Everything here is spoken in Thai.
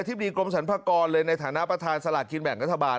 ดีกรมสรรพากรเลยในฐานะประธานสลากกินแบ่งรัฐบาล